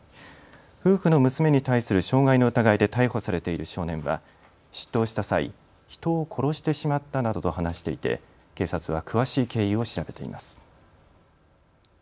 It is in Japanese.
夫婦の娘に対する傷害の疑いで逮捕されている少年は出頭した際、人を殺してしまったなどと話していて警察は詳しい経緯を調べています。